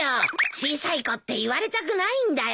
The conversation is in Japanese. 小さい子って言われたくないんだよ。